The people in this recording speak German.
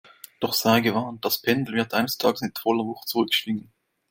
Doch sei gewarnt, das Pendel wird eines Tages mit voller Wucht zurückschwingen!